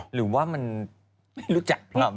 หรือว่ามันไม่รู้จักเรา